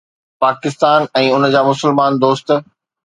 پاڪستان ۽ ان جا مسلمان دوست